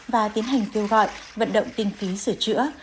và tiến hành kêu gọi vận động kinh phí sửa chữa